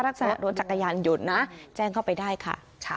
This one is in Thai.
เชื้อผ้ารักษณะโดยจักรยานหยุดนะแจ้งเข้าไปได้ค่ะ